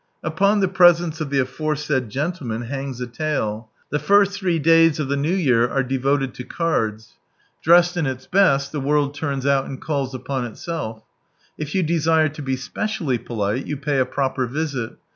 Upon the presence of the aforesaid gentleman hangs a tale. The first three 86 From Sunrise Land days of the New Year are devoted to cards. Dressed in its best, the world turns out and calls upon itself. If you desire to be specially polite, you pay a proper visit.